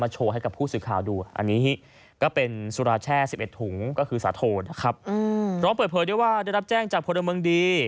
พร้อมเปิดเผยด้วยว่าได้รับแจ้งจากพลเมืองดี